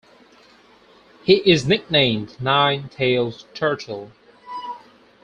He is nicknamed "Nine Tailed Turtle".